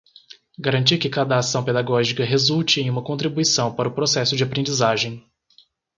garantir que cada ação pedagógica resulte em uma contribuição para o processo de aprendizagem